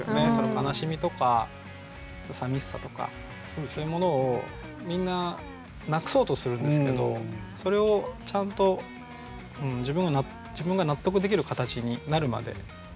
悲しみとかさみしさとかそういうものをみんななくそうとするんですけどそれをちゃんと自分が納得できる形になるまで。